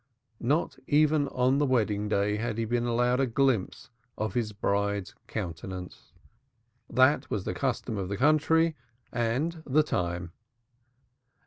Not even on the wedding day had he been allowed a glimpse of his bride's countenance. That was the custom of the country and the time.